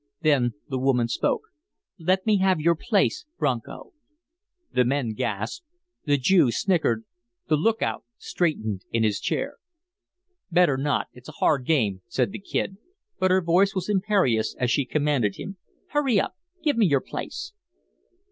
Then the woman spoke: "Let me have your place, Bronco." The men gasped, the Jew snickered, the lookout straightened in his chair. "Better not. It's a hard game," said the Kid, but her voice was imperious as she commanded him: "Hurry up. Give me your place."